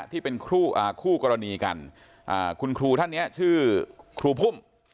ที่เป็นคู่กรณีกันคุณครูท่านนี้ชื่อครูพุ่ม